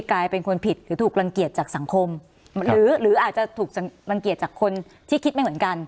กลายเป็นคนผิดหรือถูกรังเกียจจากสังคมหรือหรืออาจจะถูกรังเกียจจากคนที่คิดไม่เหมือนกัน